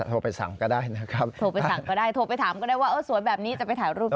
โทรไปสั่งก็ได้โทรไปถามก็ได้ว่าสวนแบบนี้จะไปถ่ายรูปไหน